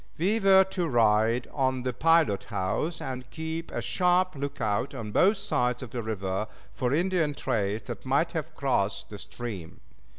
We were to ride on the pilot house and keep a sharp lookout on both sides of the river for Indian trails that might have crossed the stream.